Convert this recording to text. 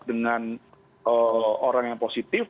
dengan orang yang positif